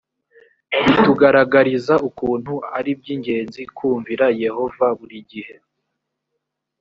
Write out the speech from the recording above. bitugaragariza ukuntu ari iby ingenzi kumvira yehova buri gihe